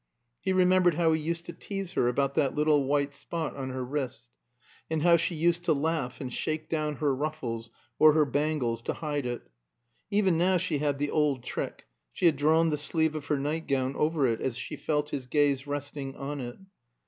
He remembered how he used to tease her about that little white spot on her wrist, and how she used to laugh and shake down her ruffles or her bangles to hide it. Even now she had the old trick; she had drawn the sleeve of her night gown over it, as she felt his gaze resting on it.